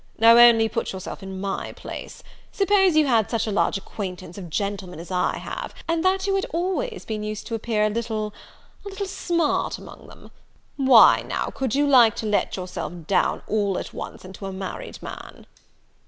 Now only put yourself in my place; suppose you had such a large acquaintance of gentlemen as I have, and that you had always been used to appear a little a little smart among them why, now could you like to let your self down all at once into a married man?"